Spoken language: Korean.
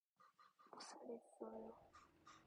못 하겠어요.